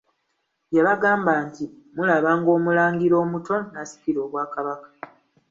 Yabagamba nti mulabanga Omulangira omuto n'asikira obwakabaka.